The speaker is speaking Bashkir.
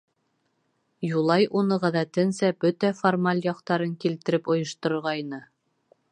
Юлай уны, ғәҙәтенсә, бөтә формаль яҡтарын килтереп ойошторғайны.